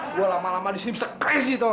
gue lama lama di sini bisa crazy toh